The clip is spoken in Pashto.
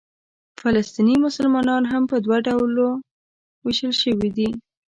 فلسطیني مسلمانان هم په دوه ډوله وېشل شوي دي.